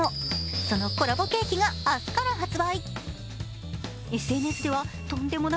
そのコラボケーキが明日から発売。